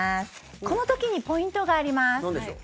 この時にポイントがあります。